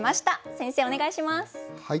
先生お願いします。